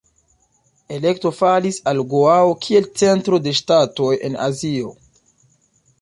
Elekto falis al Goao kiel centro de ŝtatoj en Azio.